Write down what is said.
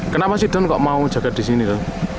kenapa sih don kok mau jaga di sini tuh